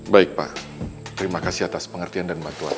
baik pak terima kasih atas pengertian dan bantuan